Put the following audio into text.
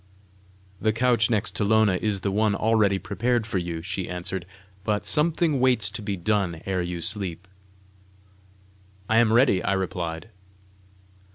"The couch next to Lona is the one already prepared for you," she answered; "but something waits to be done ere you sleep." "I am ready," I replied.